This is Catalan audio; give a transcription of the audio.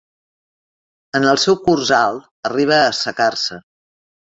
En el seu curs alt arriba a assecar-se.